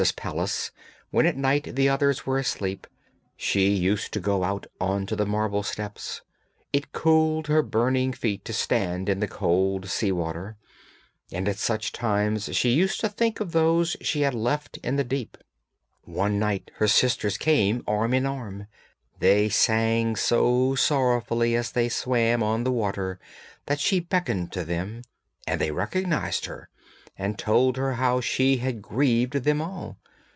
_] At home in the prince's palace, when at night the others were asleep, she used to go out on to the marble steps; it cooled her burning feet to stand in the cold sea water, and at such times she used to think of those she had left in the deep. One night her sisters came arm in arm; they sang so sorrowfully as they swam on the water that she beckoned to them, and they recognised her, and told her how she had grieved them all.